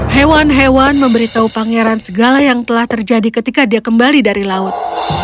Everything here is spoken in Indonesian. hewan hewan memberitahu pangeran segala yang telah terjadi ketika dia kembali dari laut